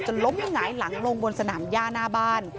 ล้มหงายหลังลงบนสนามย่าหน้าบ้าน